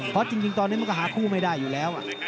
เพราะจริงตอนนี้มันก็หาคู่ไม่ได้อยู่แล้ว